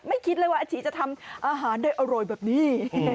คิดเลยว่าอาชีจะทำอาหารได้อร่อยแบบนี้